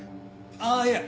ああいや